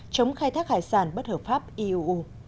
chống khai thác hải sản bất hợp pháp iuu